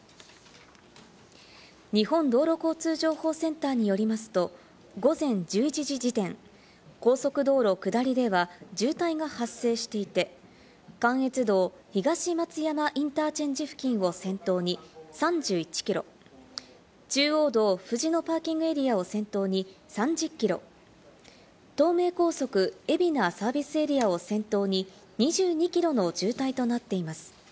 日本道路交通情報センターによりますと、午前１１時時点、高速道路下りでは渋滞が発生していて、関越道・東松山インターチェンジ付近を先頭に３１キロ、中央道・藤野パーキングエリアを先頭に３０キロ、東名高速・海老名サービスエリアを先頭に２２キロの渋滞となっています。